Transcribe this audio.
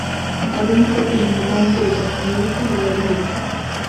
এবং ফকির নিতান্ত যেন নির্লিপ্ত হইয়া রহিলেন।